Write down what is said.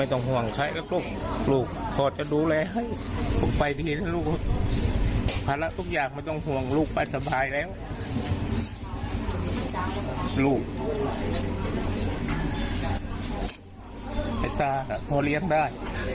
ไอ้ตาพอเลี้ยงได้